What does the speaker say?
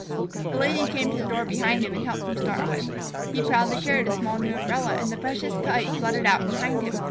The Lady came to the door behind him and helped him start away. He proudly carried a small new umbrella, and the precious kite fluttered out behind him.